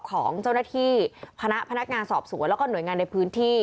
ของเจ้าหน้าที่คณะพนักงานสอบสวนแล้วก็หน่วยงานในพื้นที่